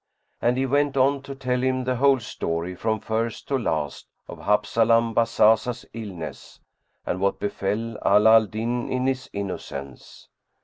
And he went on to tell him the whole story from first to last of Habzalam Bazazah's illness and what befell Ala al Din in his innocence.